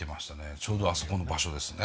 ちょうどあそこの場所ですね。